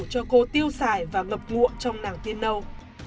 cho cô tiêu xài và ngập ngụa trong nàng tiên nâu